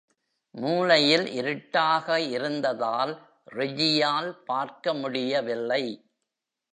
மூலையில் இருட்டாக இருந்ததால் ரெஜியால் பார்க்க முடியவில்லை.